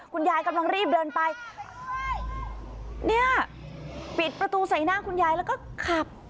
กำลังรีบเดินไปเนี่ยปิดประตูใส่หน้าคุณยายแล้วก็ขับ